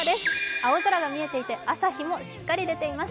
青空が見えていて、朝日もしっかり出ています。